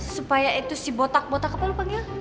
supaya itu si botak botak apa lo panggil